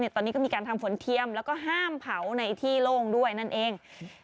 ตอนนี้ก็มีการทำฝนเทียมแล้วก็ห้ามเผาในที่โล่งด้วยนั่นเอง